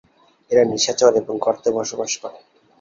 এরা নিশাচর এবং গর্তে বসবাস করে।